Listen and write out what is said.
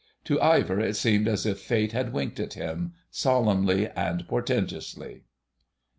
To Ivor it seemed as if Fate had winked at him, solemnly and portentously.